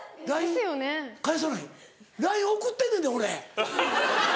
ＬＩＮＥ送ってんねんで俺。